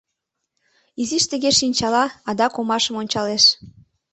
Изиш тыге шинчала адак омашым ончалеш.